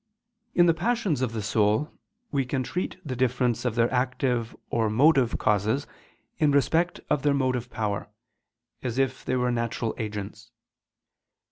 In the passions of the soul we can treat the difference of their active or motive causes in respect of their motive power, as if they were natural agents.